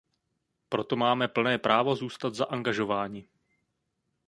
Proto máme plné právo zůstat zaangažováni.